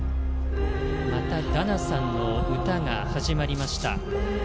またダナさんの歌が始まりました。